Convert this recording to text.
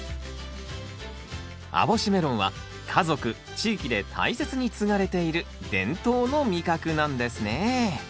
網干メロンは家族地域で大切に継がれている伝統の味覚なんですね。